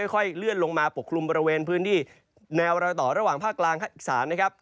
ค่อยเลื่อนลงมาปกคลุมบริเวณพื้นที่แนวรอยต่อระหว่างภาคกลางภาคอีสานนะครับ